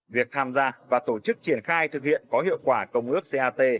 việc triển khai thực hiện có hiệu quả công ước cat